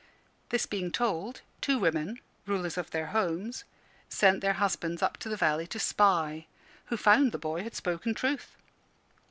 This being told, two women, rulers of their homes, sent their husbands up the valley to spy, who found the boy had spoken truth.